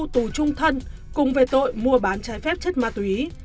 thu thân cùng về tội mua bán trái phép chất ma túy